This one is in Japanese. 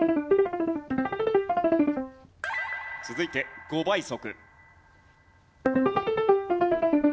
続いて５倍速。